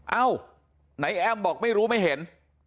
เอ้าไหนแอ้มบอกไม่รู้ไม่เห็น